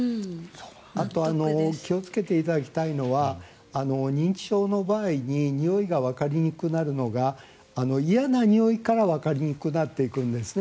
あと気をつけていただきたいのは認知症の場合ににおいがわかりにくくなるのが嫌なにおいからわかりにくくなっていくんですね。